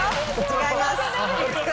違います。